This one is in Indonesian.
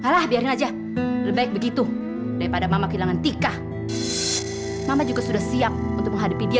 seret untuk pintunya